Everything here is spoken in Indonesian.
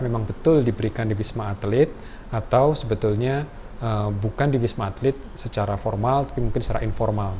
memang betul diberikan di wisma atlet atau sebetulnya bukan di wisma atlet secara formal tapi mungkin secara informal